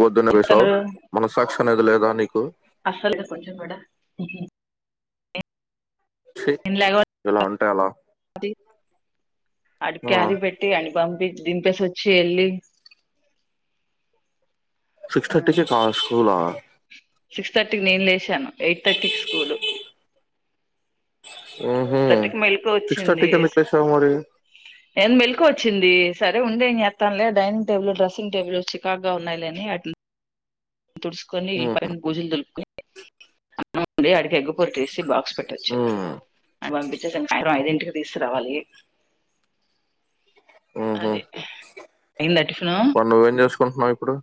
బద్దున విషా తను మన సాక్షన్ది లేదా నీకు అసలుగా కొంచెం కూడా నేను లేగ ఇలా ఉంటాయి అలా అడికిది పెట్టి అని పంపి దినిపేసి వచ్చి వెళ్ళలి సిక్స్ థర్టీకి కా స్కూలా సిక్స్ థర్టీకి నేను లేసాను ఎయిట్ థర్టీకి స్కూల్ థర్టీ కి మేల్కు సిక్స్ వచ్చింది థర్టీకి ఎందుకు వేసావు మరి ఏ మెలుకువ వచ్చింది ది సరే ఉండి ఎం చేస్తానులే డైనింగ్ టేబుల్ డ్రెస్సింగ్ టేబుల్ చికాకు గా ఉన్నాయిలే అని అట్లా తుడుసుకొని ఇల్ ఉహు, ప బుజులు దలుపుకోని అం ఉండి అడికి ఎగ్గు పూరట్టేసి బాక్స్ పెట్టొచ్చ ఉహు, అ పంపించేసి సా సాయంత్రం ఐదింటికి తీసుకురావాలి హ్మ హ్మ అది అయిందా టిఫిను మరి నువ్వేం చేసుకుంటున్నావు ఇప్పుడు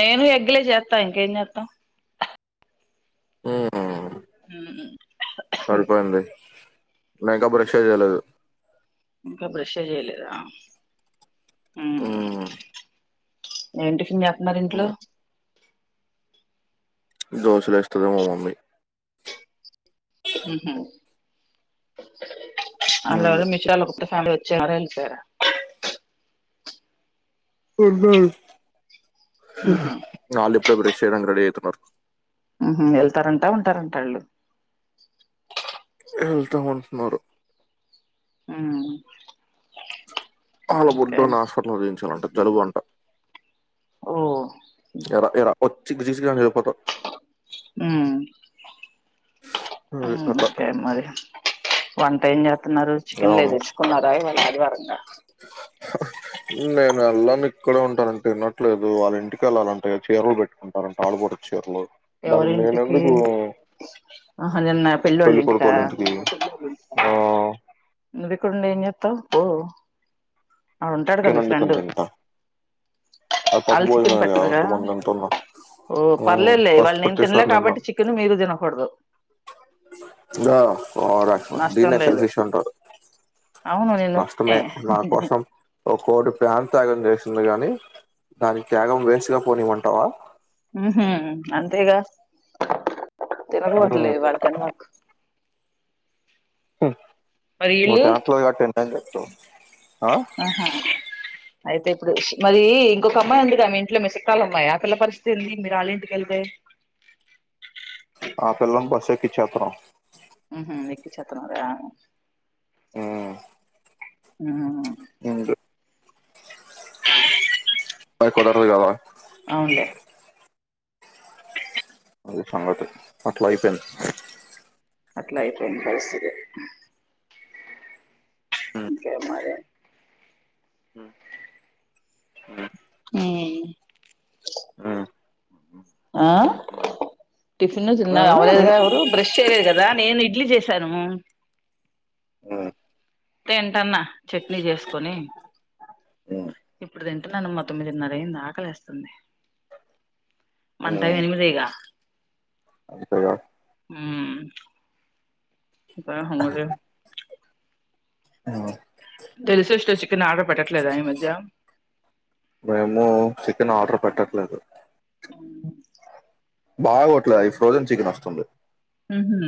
నేను ఇగ్లె చేత ఇంకేం చేతం హ్మ్ హూ హ్మ్ సరిపోయింది నేను ఇంకా బ్రష్ చేయలేదు ఇంకా బ్రష్ ఏ చేయలేదా హ్మ ఉహు, ఏం టిఫెన్ చేత్ మరి ఇంట్లో ఉహు. దోశలు ఎస్తది మా మమ్మీ హ్మ్ హ్మ అలోరో మిషాల కు ఫ్యామ్ వచ్చారంట ఉనారు ఉహు వాళ్ళు ఇప్పుడే బ్రష్ చేయడానికి రెడీ అవుతున్నారు హ్మ్ హ్మ వెళ్తారంటా ఉంటారంట ఆళ్ళు వెళ్తాం అంటునారు హ్మ్ అళ్ళ బుడ్డోని ఆస్పటలో చూయించాలంటే జలుబు అంట ఓ [unintelligible] హ్మ అది హ్మ్ కథ ఓకే మరి వంట ఏం చేత్తున్నారు చికెన్ లది తెచ్చుకున్నారా ఇవాళ ఆదివారంగా నేనేల్లన్ ఇక్కడే ఉంటారంటే విన్నట్లేదు వాళ్ళ ఇంటికి వెళ్ళాలంటే చీరలు పెట్టుకుంటారంట ఆలూ కూడా చీరలు దానికి ఎవరింటికి నేనందుకు ఆహా నిన్న పెళ్ళోళ్ళ పెళ్లిి ఇంటికా కోడుకోల ఇంటికి ఆ న్యూవ్ ఇక్కడ ఉండి ఎం చేతవ్ పో ఆడుంటాడు గా మీ ఫ్రెండు ఆ పప్పు భోజనం [unintelligible] ఓ పర్లేదులే ఈ వాళ్ళ నేను తినలే కాబట్టి చికెన్ మీరు తినకూడదు గా ఓవరాక్షన్ నష్టం దినే లేదు సెల్ఫిష్ అంటారు అవును నిన్నొస్తే నష్టమే నా కోసం ఓ కోడి ప్యాన్ త్యాగం చేసింది కానీ దాని త్యాగం వేస్ట్ గా పోనివమంటావా హ్మ్ హ్మ అంతేగా మ్మ్ తినకూడదులే వాళ్ళ తిన్నక్ మరి నువ్ ఈళ్ళు తినట్లే గా ఎన్ని అయినా చెప్తావ్ ఆ ఆహా అయితే ఇప్పుడు మరి ఇంకొక అమ్మాయి ఉందిగా మీ ఇంట్లో మీ చుట్టాల అమ్మాయి ఆ పిల్ల పరిస్థితి ఏంది మీరాళ్ళ ఇంటికి వెళ్తే ఆ పిల్లను బస్ ఎక్కించేతన్నాం హ్మ్ హ్మ ఎక్కించేతునారా మ్మ్ ఆ ఇంతే మరి కుదరదు కదా అవునులే అది సంగతి అట్లా అయిపోయింది అట్లా అయిపోయింది పరిస్థితి ఉమ్. ఇంకేం మరి ఉమ్. ఉమ్. హ్మ్ ఆ టిఫిన్ చిన్న అవ్వలేదుగా ఎవరు బ్రష్ చేయలేదు కదా నేను ఇడ్లీ చేశాను అ తింటానా చట్నీ చేసుకొని ఉమ్. ఇప్పుడు తింటున్నాను మా తొమ్మిదిన్నర అయింది ఆకలి వస్తుంది మంటవి ఎనిమిదిగా [unintelligible] [unintelligible] ఉమ్. తెలిసు ఇష్టో చికన్ ఆడ పెట్టట్లేదా ఈ మధ్య మేము చికెన్ ఆర్డర్ పెట్టట్లేదు బాగట్లే అది ఫ్రోజన్ చికెన్ వస్తుంది హు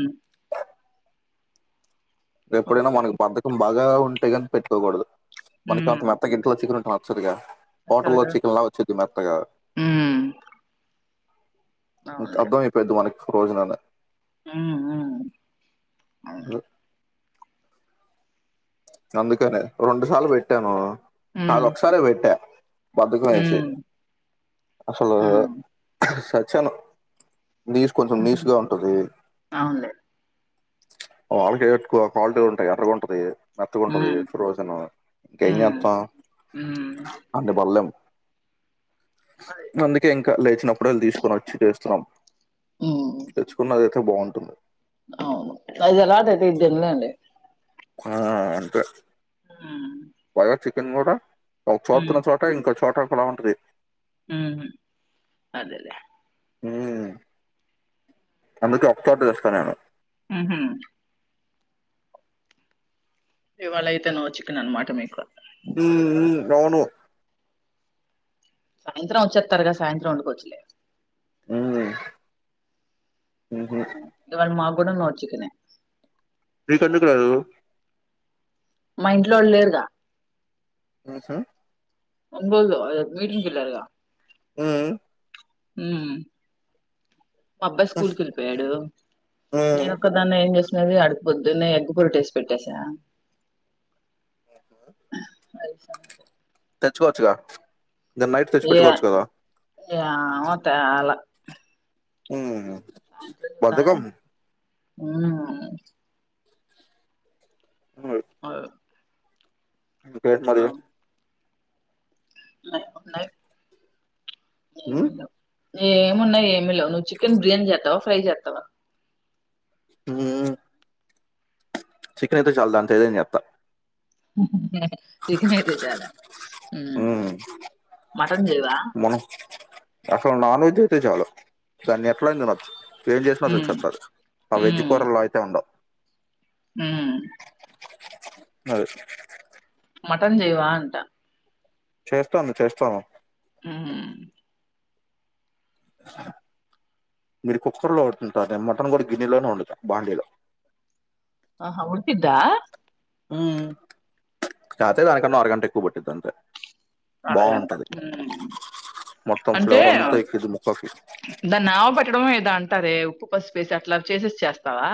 రేప్పుడైనా ఓకే మనకు బంతకం బాగా ఉంటే కాని పెట్టుకోకూడదు మనకి అంత ఉమ్ మెత్త గట్లో చిక్కు ఉంటు వచ్చదిగా పాట చద లో చికెన్ లా వచ్చేది మెత్తగా ఉమ్ అబ్దామపదు అనే ప్రోజనే హు హు ఆ అందుకనే రెండు సార్లు పెట్టాను ఉమ్ కాదు ఒకసారి పెట్టా ఉమ్ బతుకమించిసలు ఉమ్ సచ్చను నీచ కొంచెం ఉహు నీచగా ఉంటుది అవునులే వాళ్ళకి ఎక్కువ క్వాలిటీ ఉంటాయి కాల్టుగా ఉంటుది మెతుకుంటుంది ఉమ్ రోజును ఇంకేం ఉమ్ చేస్తాం ఉమ్ అన్ని బళ్లేం అందుకే ఇంకా లేచినప్పుడు వెళ్ళు తీసుకొని వచ్చి చేస్తున్నాం ఉమ్ లేచుకున్నది అ బాగుంటుంది అవును అఐదు ఎలాట అయితే ఇద్దన్నలే అండి ఆ అంతే ఉమ్ పగా చికెన్ కూడా ఒక చోరుతున్న చోట ఇంకో చోటలా ఉంటది ఉహు అదేదే ఏ అందుక ఒక దస్తకాను ఉహు ఇవాళ అయితే న వచ్చకును అనమాట మీకు ఉమ్ అవును సాయంత్రం వచ్చేస్తారుగా సాయంత్రం ఉండుకోవచ్చలే ఊ ఇవాళ మాగుణ నో చికెన్ మీ అందుకు రాదు మా ఇంట్లో వాళ్ళులేరుగా అ చా అబదు అ మీటింగ్ కిల్రుగా హ్మ్. హు మా అబ్బాయి స్కూల్ కి వెళ్ళిపోయాడు హ్మ్. నేనొక్కదాన్న ఏం చే ది అడుకుపోద్దు న ఎగ్ పొరు టేస్ట్ పెట్టేసా ఆ [unintelligible] తెచ్చుకోవచ్చు క దన్ని నైట్ తెచ్చి పెట్టుకోవచ్చు కదా ఆ తేళ ఉ సాయంత్రా హు ఇంకేం మరి న్నాై హ్మ్. ఏమి ఉన్నాయి ఏమిలేవు నువు చికెన్ బిర్యానీ చేస్తావా ఫ్రై చేస్తావా హ చికన్ అయితే చాలు దాంతో ఏదైనా చేత చికెన్ అయితే చాలా ఉమ్ మటన్ చేయవా మనం అసలు నాన్ వెజ్ అయితే చాలు దాన్ని ఎట్లాయినా తినచ్చు ఏం చేసినా రుచి ఉమ్ ఒస్తాది ఆ వెజ్ కూరల్ల అయితే ఉండవు హ్మ్ అది మటన్ చేయవాంటా చేస్తాను చేస్తాను హ్మ్ మీరు కుక్కర్ లో వండుతుంటారు ఏమో నేను మటన్ కూడా గిన్నెలోనే వండుత బాండీలో ఆహా ఉడికిద్ద ఉ కాకపోతే దనీకన్నా ఆరుగంట ఎక్కు బట్టిది అరగంట హ్మ్ మొత్తం అంటే ఫ్లేవర్ అంతా ఎక్కిద్ది ముక్కకి దాన్ని నానాబేట్టడం దాన్ని అంటారే ఉప్పు పసుపేసి అట్లా చేసేసి చేస్తావా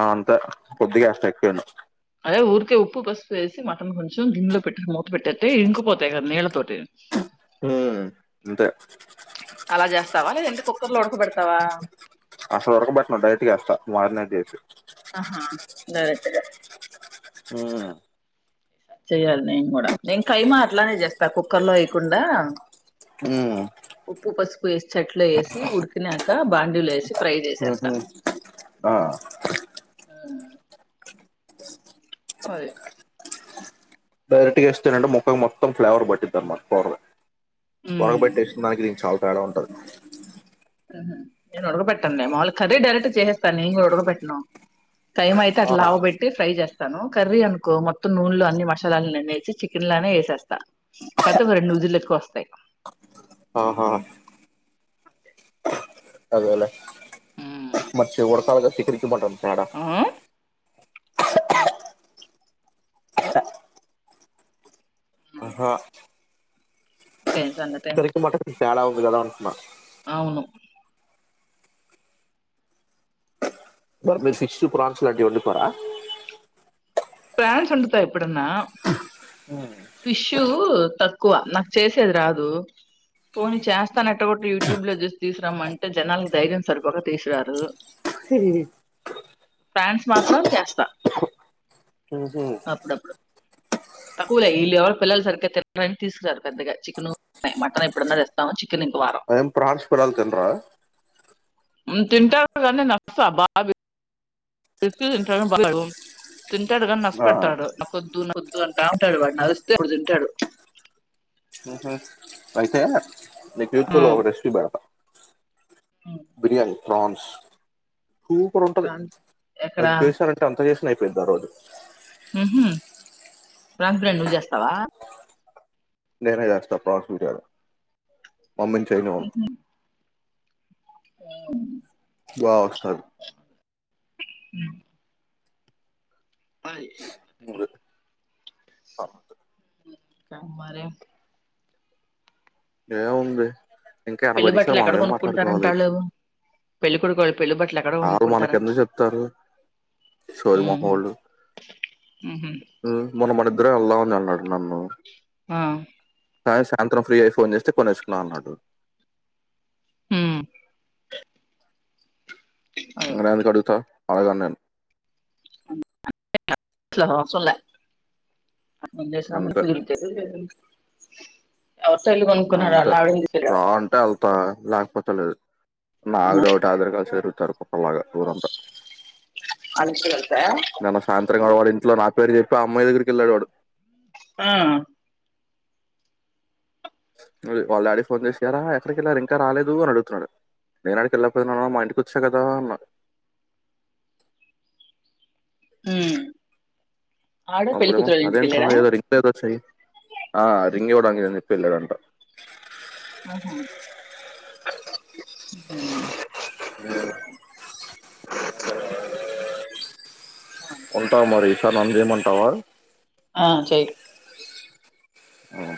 అంతే కొద్దిగా కాస్త ఎక్కువనే అదే ఊరికే ఉప్పు పసుపు వేసి మటన్ కొంచెం గినీలో పెట్టటి మూత పెట్టేతే ఇంగకుపోతాయి కదా నీళ్ళతోటి ఉమ్ అంతే అలా చేస్తావా లేదంటే కుక్కర్ లో ఉడకబేడుత వా అసలు ఉడకబెట్టను డైరెక్ట్ వేస్తా మారినేట్ చేసి ఆహా డైరెక్ట్ గా హ్మ్ చెయాలి నేను కూడా నేను కైమా అట్లానే చేస్తా కుక్కర్ లో వేయకుండా హ్మ్ పేస్ట్ అట్లే వేసి ఉడికినాక బాండిల వేసి ఫ్రై చేసే ఉహు త ఆ అదే డైరెక్ట్ గా ఇస్తేనంటే ముక్కకు మొత్తం ఫ్లేవర్ పట్టిది అన్నమాట ఫ్లెవర్ ఫ్లేవర్ మ్మ్ పట్టేసిన దానికి చాలా తేడా ఉంటుంది నేను ఉడకబెట్టాను మాములు కరీ డైరెక్ట్ చేసేస్తాన నేను కూడా ఉడకపేట్టను కైమా అయితే అలావుబట్టి ఫ్రై చేస్త కర్రీ అనుకో మొత్తం నూనెలో అన్ని మసాలాలు నన్నేసి చికెన్ లనే వేసేస్తాను కాతే ఒక రెండు విసిల్లు ఎక్కో వస్తాయి ఆహా అదేలే [unintelligible] చికెన్ కి మట్టన్ కి తేడ ఆ హ ఆహా చికెన్ కి మట్టన్ కి తేడ ఉంది కదా అంటున్న అవును మరి మీరు ఫిషూ ప్ర్రాన్స్ లాంటివి వందుతారా ఫ్రాన్స్ వండుత ఏప్పుడన్నా ఫిషు తక్కువ నాకు చేసేది రాదు పోని చేస్తానటె కూడా యూట్యూబ్ లో చూసి తీసుకురామంటే జనాలకు ధైర్యం సరిపోక తీసిరారు హ ఫ్యాన్స్ మాత్రం చేస్తా హూ హ్మ్ అప్పుడప్పుడు తక్కువలే వీళ్ళ ఎవరూ పిల్లలు సరిగా తినరని తీసుకురారు పెద్దగా చికెన్ మటన్ ఎప్పుడన్నా తెస్తాం అయం ప్రహార్స్ పడల్ చంద్ర తిన్ట్ నసా బ బా తింటాడు కాని ఆ. నచ్చపెట్టాడు కొద్దు న వొద్దు అంటా ఉంటాడు వాడు నడుస్తేప్పుడుంటాడు వతే లే చ లోగ రెస్ బ బిర్యానీ ప్రాన్స్ సూపర్ ఉంటది ప్రాన్స్ ఎక్కడ అది చేశారంటే అంత చేస్త యిపోయి రోజు ప్రంత ప్రణ నువ్వు చేస్తావా నేనేస్ ఫాన్స్ విట్టారు మమ్మన్ చైనా ఆ బ అస్తథారు ఉ అయి స అ క మరి ఏ ఉంది ఇంకా ఎనభై పెళ్లి నిమిషాలు బట్టలు మనం ఎక్కడ ఏం కొనుక్కుంటారంట మాట్లాడుకోవాలి వాళ్ళు పెళ్లి కొడుకు వాళ్ళు పెళ్లి బట్టలు ఎక్కడ వారు మనక కొనుక్కుంటారంట ఎందు చెప్తారు ఉమ్. సషోర్మహల్ ఉహు. మన మన ఇద్దరే వెళ్దామని అన్నాడు నన్ను ఆ కా సాయంత్రం ఫ్రీ అయి ఫోన్ చేస్తే కొనే వసుకున్నాం అన్నాడు ఉమ్. అదే. అంగనేేందుకుడుత మళగాన్నను అంతే కుదిరు అంతే ఆవిడని తీసుకెళ్ళా ప్రా అంటే అల్ లేకపోతలేదు నా ఆడ ఒకటి ఆధార్ కార్డ్ చదు కుప్పలాగా ఊరంతా వాళ్ళ ఇంటికి వెళ్తాయా నిన్న సాయంత్రం వాడ ఇంట్లో నా పేరు చెప్ప అమ్యి దగ్గరకి వెళ్లాడవాడు ఆ వాళ్ళ డాడీ ఫోన్ చేసిారా ఎక్కడికిళ్లారు ఇంకా రాలేదు అని అడుగుతున్నాడు నేనా అడికి వెళ్ళకపోయిన్నాన్న మా ఇంటికి వచ్చా కదా అన్నా అ అప్పుడమ అదేంట ఏదో రింగ్ ఏదోయి ఆ రింగ డంగద పల్గంట ఆహా అ ఉంటావు మరి ఈసారి నంద ఏమంటావా ఆ చెయి ఆఓ